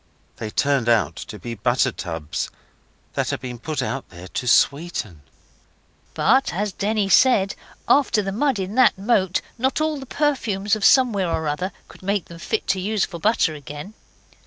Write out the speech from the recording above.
They turned out to be butter tubs that had been put out there 'to sweeten'. But as Denny said, 'After the mud in that moat not all the perfumes of somewhere or other could make them fit to use for butter again.